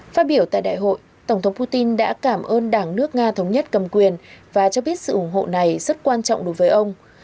phát biểu tại đại hội tổng thống putin đã cảm ơn đảng nước nga thống nhất cầm quyền và cho biết sự ủng hộ này rất quan trọng đối với ông